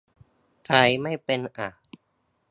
ใช้ไม่เป็นอ่ะ